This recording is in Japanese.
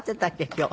今日。